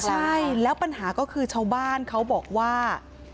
ใช่แล้วปัญหาก็คือชาวบ้านเขาบอกว่า